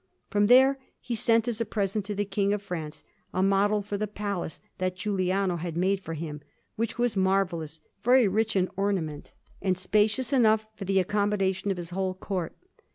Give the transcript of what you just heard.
From there he sent as a present to the King of France a model for a palace that Giuliano had made for him, which was marvellous, very rich in ornament, and spacious enough for the accommodation of his whole Court.